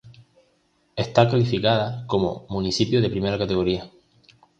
Está calificada como "Municipio de primera categoría".